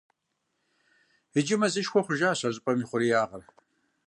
Иджы мэзышхуэ хъужащ а щӏыпӏэм и хъуреягъыр.